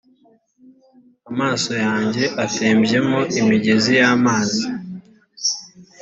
amaso yanjye atembyemo imigezi y amazi